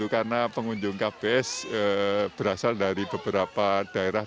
karena pengunjung kbs berasal dari beberapa daerah